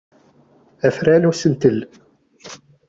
Afran n usentel.